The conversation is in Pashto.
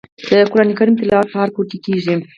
د قران کریم تلاوت په هر کور کې کیږي.